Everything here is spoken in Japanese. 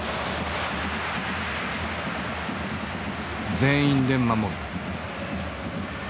全員で守る。